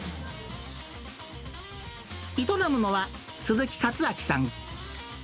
営むのは鈴木勝明さん。